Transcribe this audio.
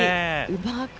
うまく